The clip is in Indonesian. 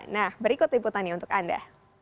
nah berikut liputannya untuk anda